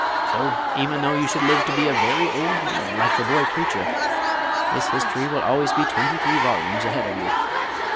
So even though you should live to be a very old man, like the boy preacher, this history will always be twenty three volumes ahead of you.